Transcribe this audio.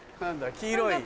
黄色い。